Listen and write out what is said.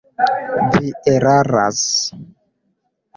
Vi eraras.